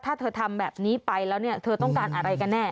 ถ้าเธอทำแบบนี้ไปแล้วเนี่ยเธอต้องการอะไรกันแน่